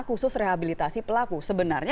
khusus rehabilitasi pelaku sebenarnya